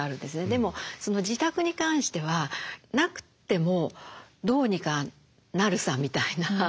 でも自宅に関してはなくてもどうにかなるさみたいな。